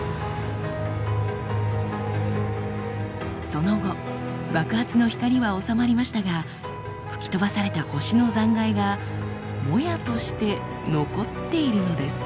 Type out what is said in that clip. その後爆発の光は収まりましたが吹き飛ばされた星の残骸がもやとして残っているのです。